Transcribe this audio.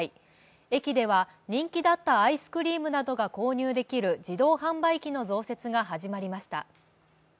駅では人気だったアイスクリームなどを購入できる自動販売機の増設が始まりました。